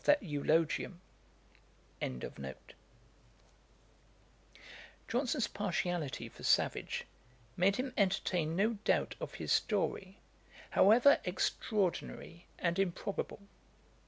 ] Johnson's partiality for Savage made him entertain no doubt of his story, however extraordinary and improbable.